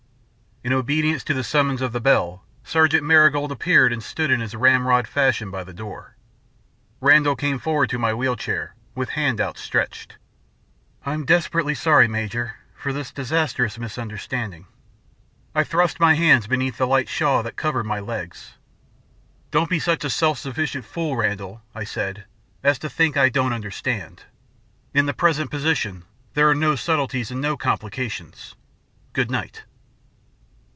In obedience to the summons of the bell Sergeant Marigold appeared and stood in his ramrod fashion by the door. Randall came forward to my wheel chair, with hand outstretched. "I'm desperately sorry, Major, for this disastrous misunderstanding." I thrust my hands beneath the light shawl that covered my legs. "Don't be such a self sufficient fool, Randall," I said, "as to think I don't understand. In the present position there are no subtleties and no complications. Good night."